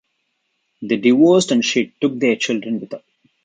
They divorced and she took their children with her.